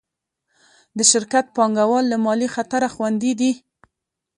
د شرکت پانګهوال له مالي خطره خوندي دي.